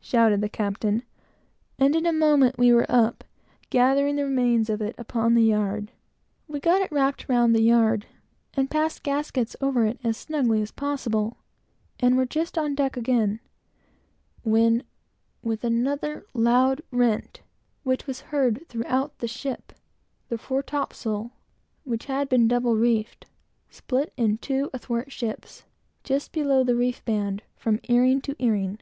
shouted the captain; and in a moment, we were up, gathering the remains of it upon the yard. We got it wrapped, round the yard, and passed gaskets over it as snugly as possible, and were just on deck again, when, with another loud rent, which was heard throughout the ship, the fore topsail, which had been double reefed, split in two, athwartships, just below the reefband, from earing to earing.